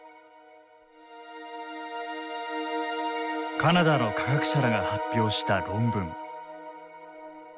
カナダの科学者らが発表した論文。